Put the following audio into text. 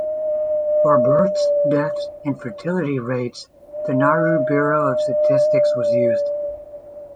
For births, deaths, and fertility rates, the Nauru Bureau of Statistics was used.